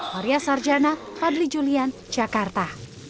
maria sarjana fadli julian jakarta